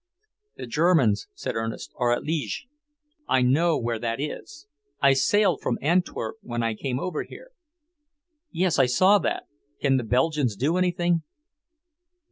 "The Germans," said Ernest, "are at Liege. I know where that is. I sailed from Antwerp when I came over here." "Yes, I saw that. Can the Belgians do anything?"